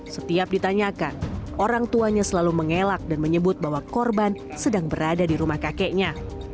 setiap ditanyakan orang tuanya selalu mengelak dan menyebut bahwa korban sedang berada di rumah kakeknya